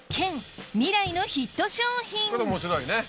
これ面白いね。